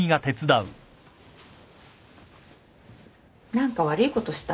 何か悪いことした？